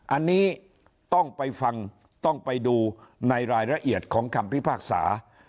อันนี้ต้องไปฟังต้องไปดูในรายละเอียดของคำพิพากษา